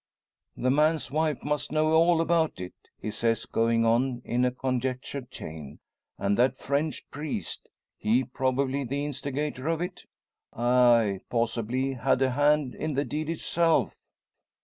"The man's wife must know all about it?" he says, going on in conjectural chain; "and that French priest he probably the instigator of it? Aye! possibly had a hand in the deed itself?